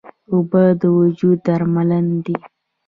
اوبه د وجود درمل دي.